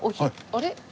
あれ？